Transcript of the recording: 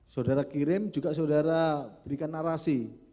saudara kirim juga saudara berikan narasi